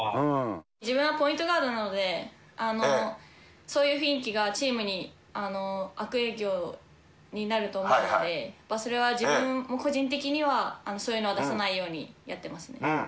自分はポイントガードなので、そういう雰囲気がチームに悪影響になると思うので、それは自分、個人的にはそういうのは出さないようにやってますね。